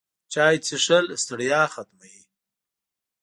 چای څښل د ستړیا ختموي